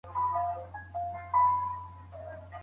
یوازي د ډېر لیاقت په درلودلو سره څوک نه بریالی کېږي.